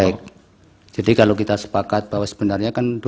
baik jadi kalau kita sepakat bahwa sebenarnya kan dua ribu